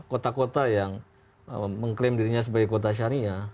kota kota yang mengklaim dirinya sebagai kota syariah